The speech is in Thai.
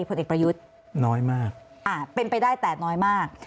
ผลเอกประยุทธ์น้อยมากอ่าเป็นไปได้แต่น้อยมาก